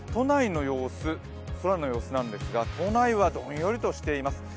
空の様子なんですが、都内はどんよりとしています。